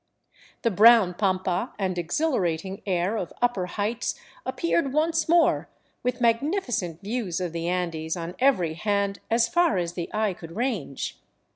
The brown pampa and exhilarating air of upper heights appeared once more, with magnificent views of the Andes on every hand as far as the eye could range.